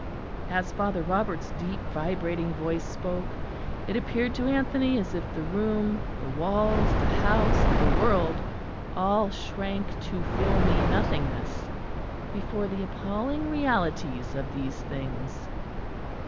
As Father Robert's deep vibrating voice spoke, it appeared to Anthony as if the room, the walls, the house, the world, all shrank to filmy nothingness before the appalling realities of these things.